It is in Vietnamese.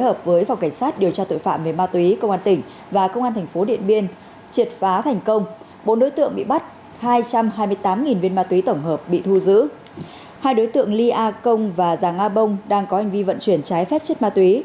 hai đối tượng ly a công và giàng a bông đang có hành vi vận chuyển trái phép chất ma túy